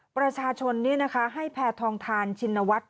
ประชาชนนี้นะคะให้แพทองทานชินวัตร